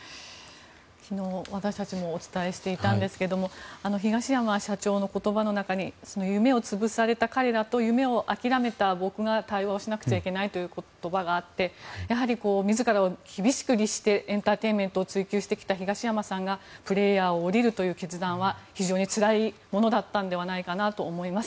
昨日、私たちもお伝えしていたんですけども東山社長の言葉の中に夢を潰された彼らと夢を諦めた僕が対話をしなくちゃいけないという言葉があって自らを厳しく律してエンターテインメントを追求してきた東山さんがプレーヤーを降りるという決断は非常につらいものだったんではないかと思います。